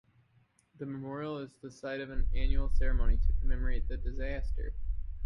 The memorial is the site of an annual ceremony to commemorate the disaster.